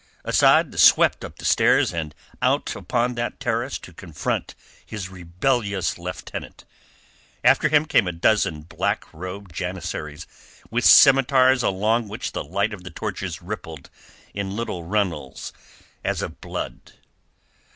Asad swept up the stairs and out upon that terrace to confront his rebellious lieutenant. After him came a dozen black robed janissaries with scimitars along which the light of the torches rippled in little runnels as of blood.